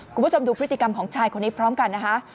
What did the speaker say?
คุณผู้ชมดูพฤติกรรมของชายคนนี้พร้อมกันนะคะ